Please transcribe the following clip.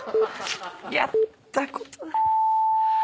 やったことない。